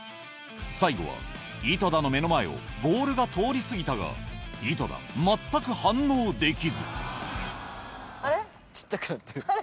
最後は井戸田の目の前をボールが通り過ぎたが井戸田全く反応できずあれ？